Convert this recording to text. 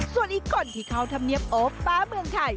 ส่วนอีกคนที่เข้าธรรมเนียบโอ๊ปฟ้าเมืองไทย